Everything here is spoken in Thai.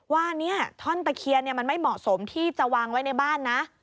ว่าท่อนตะเคียนมันไม่เหมาะสมที่จะวางไว้ในบ้านนะ